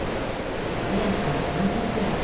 目安は３分くらい。